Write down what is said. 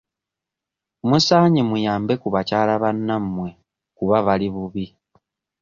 Musaanye muyambe ku bakyala bannamwe kuba bali bubi